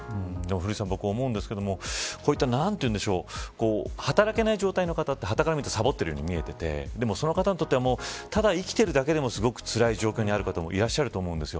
古市さん、僕思うんですけどこういう働けない状態の方ってはたから見るとさぼっているように見えてでも、その方によってはただ生きてるだけでもつらい方もいると思うんです。